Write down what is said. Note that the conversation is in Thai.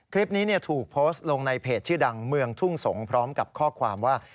คลิปนี้ถูกโพสต์ลงในเพจชื่อดังเมืองทุ่งสงศ์พร้อมกับข้อความว่า